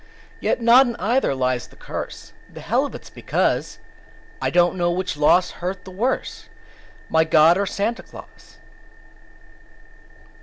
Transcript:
Yet not in either lies the curse: The hell of it's because I don't know which loss hurt the worse My God or Santa Claus.